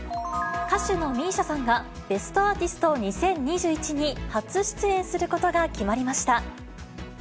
歌手のＭＩＳＩＡさんが、ベストアーティスト２０２１に初出演することが決まりました。